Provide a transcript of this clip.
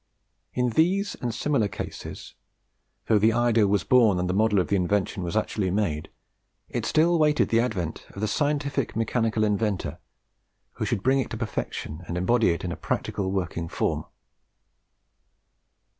In these and similar cases, though the idea was born and the model of the invention was actually made, it still waited the advent of the scientific mechanical inventor who should bring it to perfection, and embody it in a practical working form.